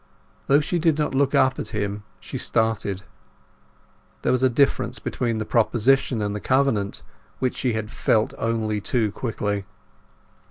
Though she did not look up at him, she started. There was a difference between the proposition and the covenant, which she had felt only too quickly.